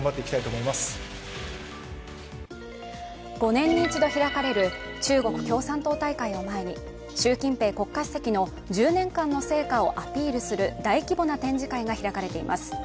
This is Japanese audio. ５年に一度開かれる中国共産党大会を前に習近平国家主席の１０年間の成果をアピールする大規模な展示会が開かれています。